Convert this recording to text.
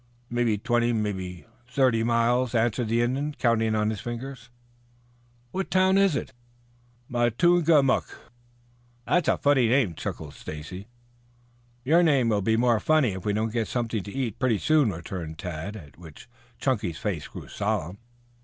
"Mebby twenty, mebby thirty miles," answered the Indian, counting up on his fingers. "What town is it?" "Matungamook." "That's a funny name," chuckled Stacy. "Your name will be more funny if we don't get something to eat pretty soon," returned Tad, at which Chunky's face grew solemn.